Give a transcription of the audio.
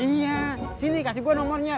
iya sini kasih gue nomornya